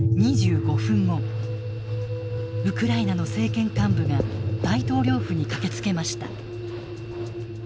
ウクライナの政権幹部が大統領府に駆けつけました。